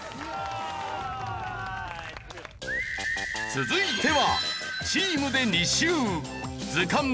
続いては。